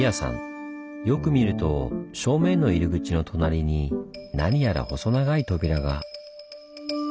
よく見ると正面の入り口の隣に何やら細長い扉が。